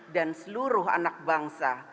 dan seluruh anak bangsa